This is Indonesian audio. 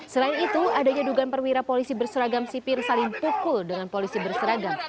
selain itu adanya dugaan perwira polisi berseragam sipir saling pukul dengan polisi berseragam